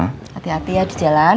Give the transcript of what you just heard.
hati hati ya di jalan